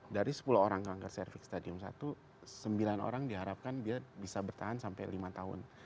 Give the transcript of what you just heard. dari sepuluh orang kanker cervix stadium satu sembilan orang diharapkan dia bisa bertahan sampai lima tahun